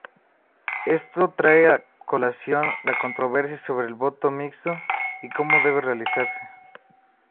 Esto trae a colación la controversia sobre el voto mixto y cómo debe realizarse.